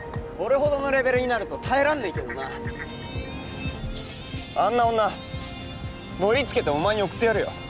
俺ほどのレベルになると耐えらんねえけどなあんな女のりつけておまえにおくってやるよ